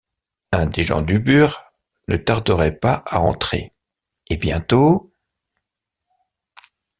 Un des gens du burg ne tarderait pas à entrer, et bientôt...